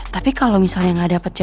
tapi kalau misalnya gak ada pak nyeran